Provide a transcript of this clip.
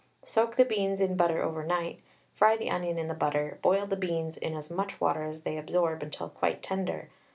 Soak the beans in butter over night, fry the onion in the butter. Boil the beans in as much water as they absorb until quite tender.